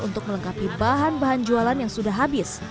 untuk melengkapi bahan bahan jualan yang sudah habis